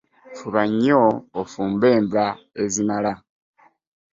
Fuba ny'ofumbe enva ezimala.